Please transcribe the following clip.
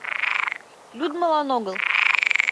Лӱдмылан огыл...